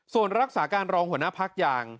ส่วนรักษาการรองหัวหน้าพักอย่าง